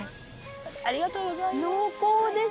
ありがとうございます。